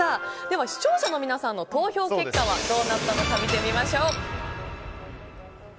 では視聴者の皆さんの投票結果はどうなったのか見てみましょう。